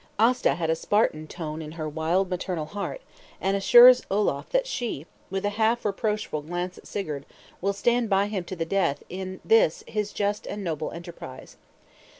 Aasta had a Spartan tone in her wild maternal heart; and assures Olaf that she, with a half reproachful glance at Sigurd, will stand by him to the death in this his just and noble enterprise.